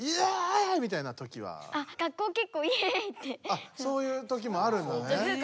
あそういうときもあるんだね。